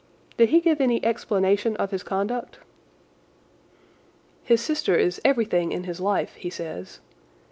"Did he give any explanation of his conduct?" "His sister is everything in his life, he says.